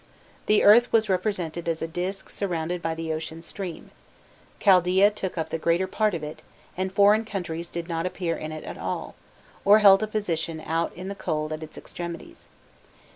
The earth was represented as a disk surrounded by the ocean stream: Chaldaea took up the greater part of it, and foreign countries did not appear in it at all, or held a position out in the cold at its extremities.